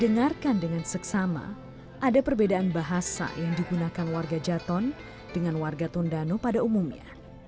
dengarkan dengan seksama ada perbedaan bahasa yang digunakan warga jaton dengan warga tondano pada umumnya